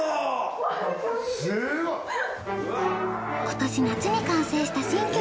今年夏に完成した新居。